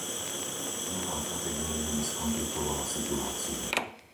Nová kategória by skomplikovala situáciu.